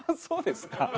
そうですか？